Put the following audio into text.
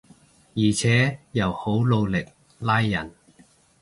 而且又好努力拉人